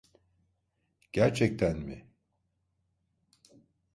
Gerçekten mi?